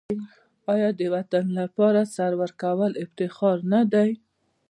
آیا د وطن لپاره سر ورکول افتخار نه دی؟